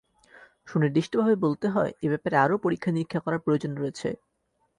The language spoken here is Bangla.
সুনির্দিষ্টভাবে বলতে হয়, এ ব্যাপারে আরও পরীক্ষা নিরীক্ষা করার প্রয়োজন রয়েছে।